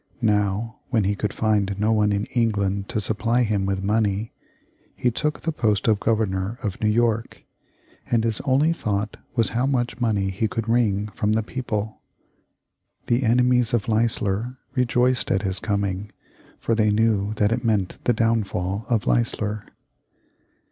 Now, when he could find no one in England to supply him with money, he took the post of Governor of New York, and his only thought was how much money he could wring from the people. The enemies of Leisler rejoiced at his coming, for they knew that it meant the downfall of Leisler.